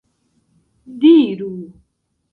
diru